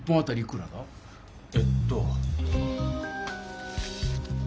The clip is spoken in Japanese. えっと。